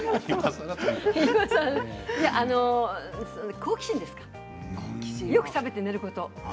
好奇心ですかねよくしゃべって寝ること。